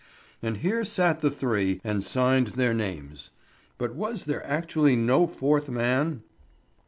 And here sat the three, and signed their names. But was there actually no fourth man?